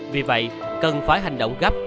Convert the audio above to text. vì vậy cần phải hành động gấp